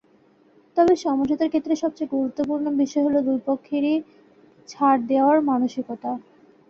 তবে সমঝোতার ক্ষেত্রে সবচেয়ে গুরুত্বপূর্ণ বিষয় হলো দুই পক্ষেরই ছাড় দেওয়ার মানসিকতা।